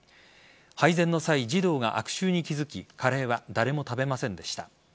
配膳の際、児童が悪臭に気づきカレーは誰も食べませんでした。